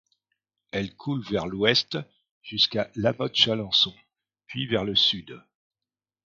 Elle coule vers l'ouest jusqu'à La Motte-Chalancon, puis vers le sud.